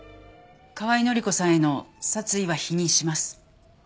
河合範子さんへの殺意は否認します。